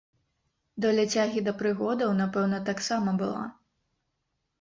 Доля цягі да прыгодаў, напэўна, таксама была.